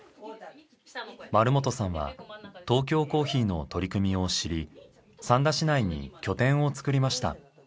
丸本さんはトーキョーコーヒーの取り組みを知り三田市内に拠点を作りました。